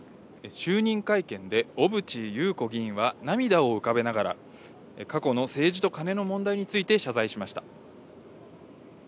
就任会見で小渕優子氏議員は涙を浮かべながら、過去の政治とカネの問題について謝罪しました。